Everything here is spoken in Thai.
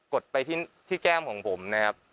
ดไปที่แก้มของผมนะครับ